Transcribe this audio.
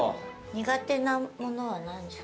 苦手なものは何ですか？